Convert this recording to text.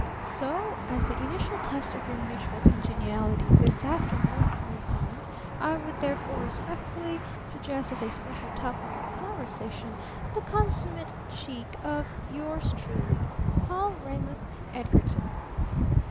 "So as the initial test of your mutual congeniality this afternoon," he resumed, "I would therefore respectfully suggest as a special topic of conversation the consummate cheek of yours truly, Paul Reymouth Edgarton!"